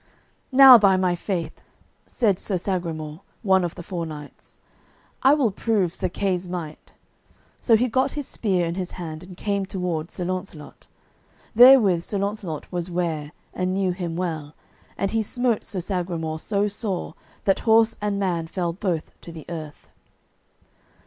"Now by my faith," said Sir Sagramour, one of the four knights, "I will prove Sir Kay's might"; so he got his spear in his hand, and came toward Sir Launcelot. Therewith Sir Launcelot was ware, and knew him well; and he smote Sir Sagramour so sore that horse and man fell both to the earth.